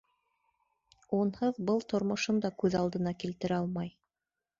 Унһыҙ был тормошон да күҙ алдына килтерә алмай.